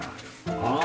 ああ！